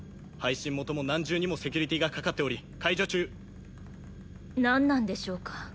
配信元も何重にもセキュリティーがかかっており解除中何なんでしょうか